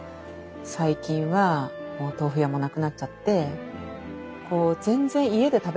最近はもう豆腐屋もなくなっちゃって全然家で食べれなくなったって。